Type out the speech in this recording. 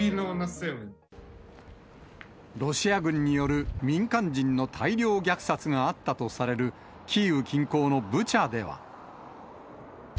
ロシア軍による民間人の大量虐殺があったとされる、キーウ近郊のブチャでは。